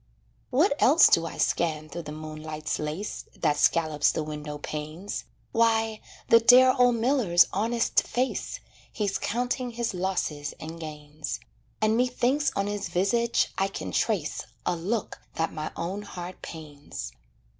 What else do I scan through the moonlight's lace That scallops the window panes; Why, the dear old miller's honest face, He's counting his losses and gains, And methinks on his visage I can trace A look that my own heart pains.